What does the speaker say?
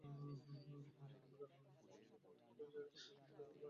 উহুদের রণাঙ্গনে আহত কোন কোন কুরাইশের জখম এখনও পুরোপুরি ভাল হয়নি।